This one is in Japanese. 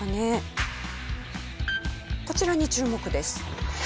こちらに注目です。